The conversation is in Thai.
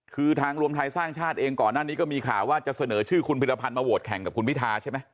คือทางรวมไทยสร้างชาติเองก่อนหน้านี้ก็มีข่าวว่าจะเสนอชื่อคุณพิรพันธ์มาโหวตแข่งกับคุณพิทาใช่ไหม